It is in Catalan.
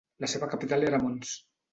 La seva capital era Mons.